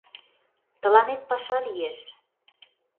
— Тыланет паша лиеш.